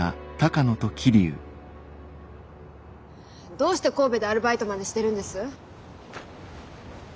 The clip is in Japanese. どうして神戸でアルバイトまでしてるんです？